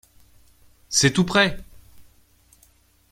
C’est tout près.